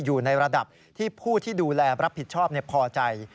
อยู่ในระดับที่ผู้ที่ดูแลรับผิดชอบพอใจ